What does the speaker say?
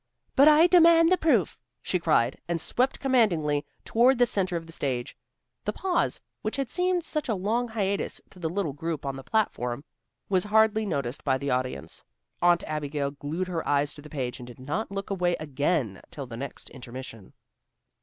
"But I demand the proof," she cried, and swept commandingly toward the centre of the stage. The pause, which had seemed such a long hiatus to the little group on the platform, was hardly noticed by the audience. Aunt Abigail glued her eyes to the page and did not look away again till the next intermission.